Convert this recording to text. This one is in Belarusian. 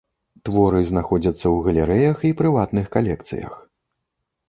Творы знаходзяцца ў галерэях і прыватных калекцыях.